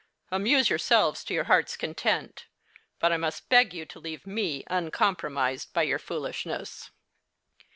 Amuse yourselves to your hearts' content ; but I must beg you to leave me uncompromised by your foolishness.